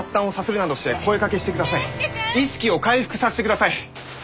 意識を回復さしてください！